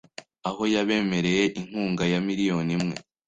Aho yabemereye inkunga ya miliyoni imwe